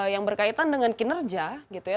yang berkaitan dengan kinerja gitu ya